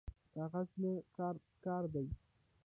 کاغذ نه کار پکار دی